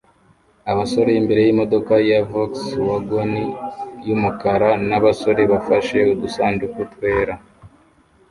abasore imbere yimodoka ya Volkswagon yumukara nabasore bafashe udusanduku twera